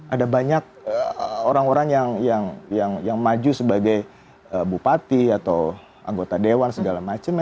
ada banyak orang orang yang maju sebagai bupati atau anggota dewan segala macam